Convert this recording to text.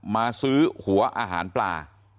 มาซื้อหัวอาหารปลา